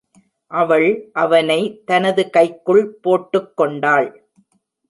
அவள் அவனை தனது கைக்குள் போட்டுக்கொண்டாள்.